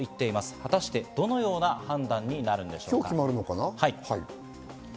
果たしてどのような判断になるのでしょうか。